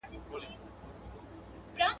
پياد مي نه دی، چي څوک وو.